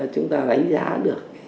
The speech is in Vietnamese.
chúng ta đánh giá được